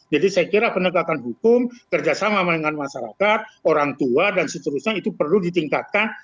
jadi saya kira penegakan hukum kerjasama dengan masyarakat orang tua dan seterusnya itu perlu ditingkatkan